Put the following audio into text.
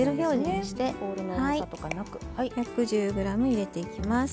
１１０ｇ入れていきます。